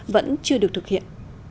vẫn chưa được thực hiện